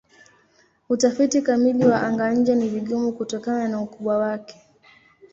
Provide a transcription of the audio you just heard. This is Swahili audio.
Utafiti kamili wa anga-nje ni vigumu kutokana na ukubwa wake.